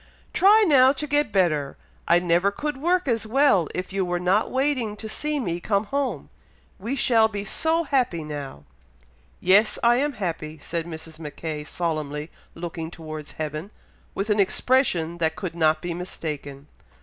"Try now to get better! I never could work as well, if you were not waiting to see me come home! We shall be so happy now!" "Yes! I am happy!" said Mrs. Mackay, solemnly looking towards heaven, with an expression that could not be mistaken.